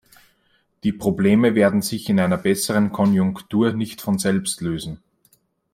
Die Probleme werden sich in einer besseren Konjunktur nicht von selbst lösen.